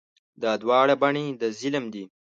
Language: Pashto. دا دواړه بڼې د ظلم دي.